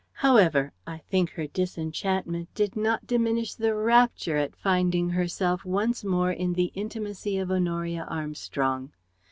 However I think her disenchantment did not diminish the rapture at finding herself once more in the intimacy of Honoria Armstrong.